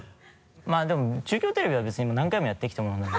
まぁでも「中京テレビ」は別にもう何回もやってきたものなので。